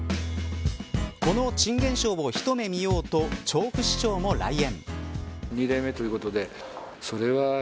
この珍現象を一目見ようと調布市長も来園。